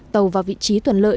tàu vào vị trí tuần lợi